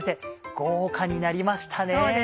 豪華になりましたね。